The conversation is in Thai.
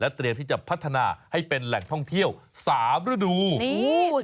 แล้วเตรียมที่จะพัฒนาให้เป็นแหล่งท่องเที่ยว๓ระดูกลาด